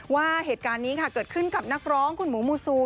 ว่าเหตุการณ์นี้ค่ะเกิดขึ้นกับนักร้องคุณหมูมูซู